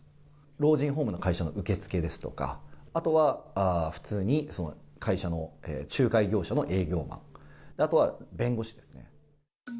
老人ホームの会社の受付ですとか、あとは普通にその会社の、仲介業者の営業マン、あとは弁護士ですね。